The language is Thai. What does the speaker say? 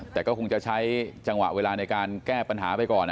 แต่ก็คงจะใช้จังหวะเวลาในการแก้ปัญหาไปก่อน